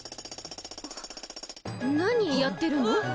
何やってるの？